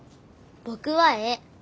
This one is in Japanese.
僕はええ。